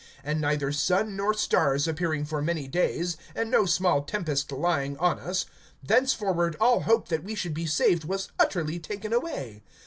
(20)And neither sun nor stars appearing for many days, and no small tempest lying on us, thenceforward all hope that we should be saved was utterly taken away.